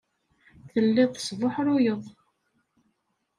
Telliḍ tesbuḥruyeḍ.